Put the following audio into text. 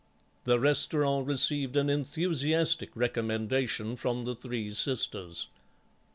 The restaurant received an enthusiastic recommendation from the three sisters.